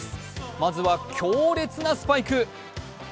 まずは強烈なスパイク。